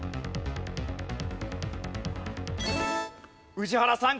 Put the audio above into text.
宇治原さん